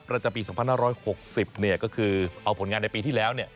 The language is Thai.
ประจำปี๒๕๖๐เนี่ยก็คือเอาผลงานในปีที่แล้วเนี่ย